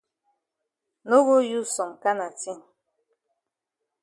No go use some kana tin.